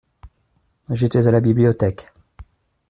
J’étais à la bibliothèque.